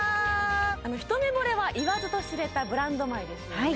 ひとめぼれは言わずと知れたブランド米ですよね